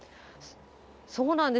そうなんです。